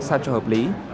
sao cho hợp lý